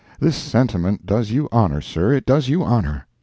—this sentiment does you honor, sir, it does you honor!